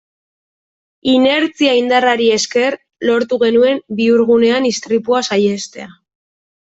Inertzia indarrari esker lortu genuen bihurgunean istripua saihestea.